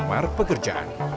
dan juga pengguna pekerjaan